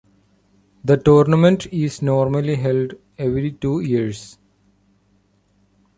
The tournament is normally held every two years.